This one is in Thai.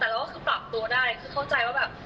แต่เราก็คือปรับตัวได้คือเข้าใจว่าแบบ